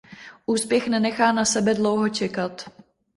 Úspěch nenechá na sebe dlouho čekat.